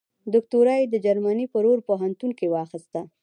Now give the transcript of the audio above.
دوکتورا یې د جرمني په رور پوهنتون کې واخیسته.